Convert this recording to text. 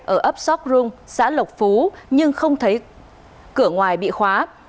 ở ấp sóc rung xã lộc phú nhưng không thấy cửa ngoài bị khóa